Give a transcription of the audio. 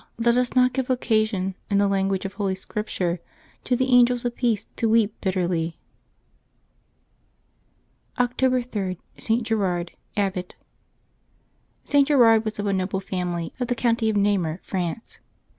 let us not give occasion, in the lan guage of Holy Scripture, to the angels of peace to weep bitterly. October 3.— ST. GERARD, Abbot. [t. Gerard was of a noble family of the county of ISTamur, France.